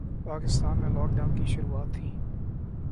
پاکستان میں lockdown کی شروعات تھیں